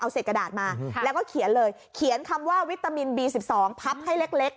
เศษกระดาษมาแล้วก็เขียนเลยเขียนคำว่าวิตามินบี๑๒พับให้เล็ก